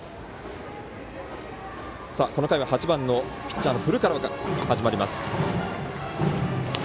この回は８番のピッチャーの古川から始まります。